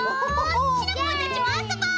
シナプーたちもあそぼう！